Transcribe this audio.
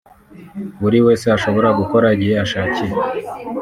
buri wese ashobora gukora igihe ashakiye